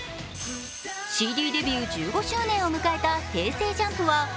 ＣＤデビュー１５周年を迎えたＨｅｙ！